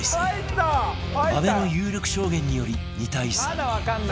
安部の有力証言により２対３に